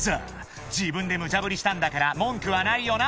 ［自分でムチャぶりしたんだから文句はないよな？